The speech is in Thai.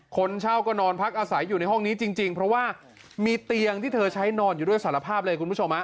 คนเช่าก็นอนพักอาศัยอยู่ในห้องนี้จริงเพราะว่ามีเตียงที่เธอใช้นอนอยู่ด้วยสารภาพเลยคุณผู้ชม